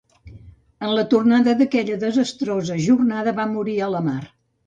En la tornada d'aquella desastrosa jornada va morir a la mar.